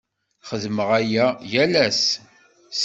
Xeddmeɣ aya yal ass.